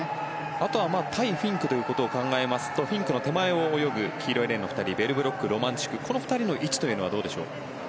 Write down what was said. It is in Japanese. あとは対フィンクということを考えますとフィンクの手前を泳ぐ黄色いレーンの２人ベルブロック、ロマンチュクこの２人の位置というのはどうでしょう？